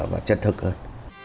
và chân thực hơn